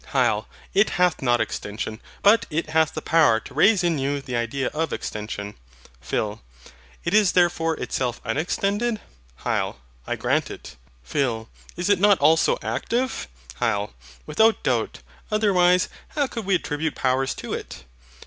HYL. It hath not extension; but it hath the power to raise in you the idea of extension. PHIL. It is therefore itself unextended? HYL. I grant it. PHIL. Is it not also active? HYL. Without doubt. Otherwise, how could we attribute powers to it?